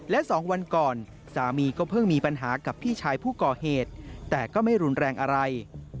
และ๒วันก่อนสามีก็เพิ่งมีปัญหากับพี่ชายผู้ก่อเหตุแต่ก็ไม่รุนแรงอะไร